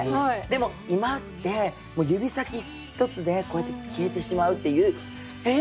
でも今って指先一つで消えてしまうっていう「え！